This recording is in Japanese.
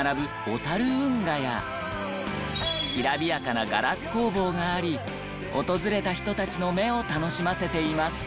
小樽運河やきらびやかなガラス工房があり訪れた人たちの目を楽しませています。